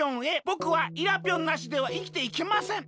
ぼくはイラぴょんなしではいきていけません。